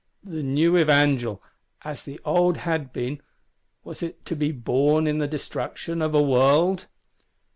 The new Evangel, as the old had been, was it to be born in the Destruction of a World?